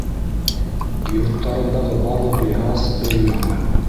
Йорттарындағы барлыҡ йыһаз — өр-яңы.